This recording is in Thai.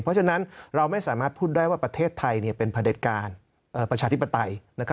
เพราะฉะนั้นเราไม่สามารถพูดได้ว่าประเทศไทยเป็นพระเด็จการประชาธิปไตย